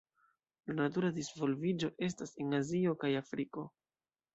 La natura disvolviĝo estas en Azio kaj Afriko.